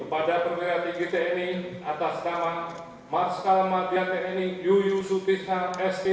pertemuan tahun dua ribu empat belas dua ribu sembilan belas